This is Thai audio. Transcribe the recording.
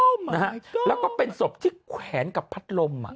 โอ้มายก๊อดแล้วก็เป็นศพที่แขนกับพัดลม